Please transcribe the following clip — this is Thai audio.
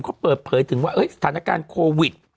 เขาเปิดเผยถึงว่าสถานการณ์โควิด